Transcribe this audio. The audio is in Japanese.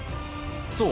そう。